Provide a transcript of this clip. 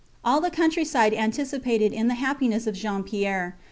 All the countryside participated in the happiness of Jean Pierre.